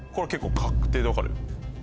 確定で分かる。